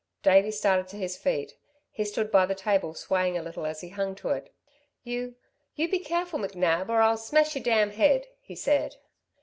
Davey started to his feet. He stood by the table, swaying a little as he hung to it. "You ... you be careful, McNab, or I'll smash your damned head," he said.